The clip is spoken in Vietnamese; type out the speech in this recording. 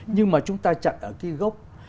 nhưng mà chúng ta chặn ở cái gốc